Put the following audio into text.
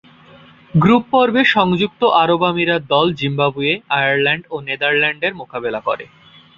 গ্রুপ-পর্বে সংযুক্ত আরব আমিরাত দল জিম্বাবুয়ে, আয়ারল্যান্ড ও নেদারল্যান্ডের মোকাবেলা করে।